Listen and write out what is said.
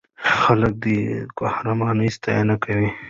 خلک د دې قهرمانۍ ستاینه کوي.